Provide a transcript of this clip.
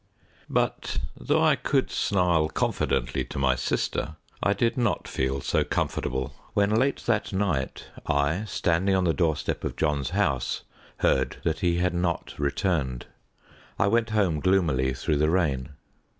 But though I could snarl confidently to my sister, I did not feel so comfortable when, late that night, I, standing on the doorstep of John's house, heard that he had not returned. I went home gloomily through the rain.